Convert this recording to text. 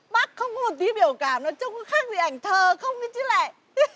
bác không có một tí biểu cảm nó trông có khác gì ảnh thờ không chứ lại